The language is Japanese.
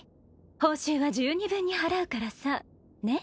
報酬は十二分に払うからさ。ね？